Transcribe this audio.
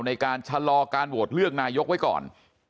ในการชะลอการโหวตเลือกนายกไว้ก่อน